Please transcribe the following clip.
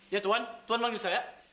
ya tuan tuan langdisa ya